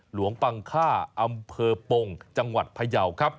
หลวงปังค่าอำเภอปงจังหวัดพยาว